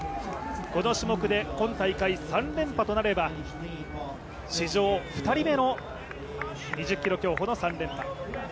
この種目で今大会３連覇となれば史上２人目の２０ｋｍ競歩の３連覇。